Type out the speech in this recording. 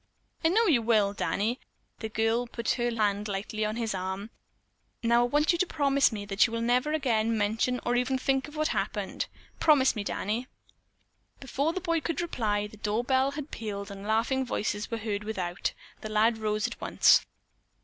"I know you will, Danny," the girl put her hand lightly on his arm. "Now, I want you to promise me that we will never again mention or even think of what happened. Promise me, Danny." Before the boy could reply, the door bell had pealed and laughing voices were heard without. The lad rose at once.